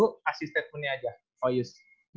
kasih statementnya aja kok yus